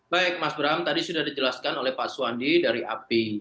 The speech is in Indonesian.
baik mas bram tadi sudah dijelaskan oleh pak suwandi dari api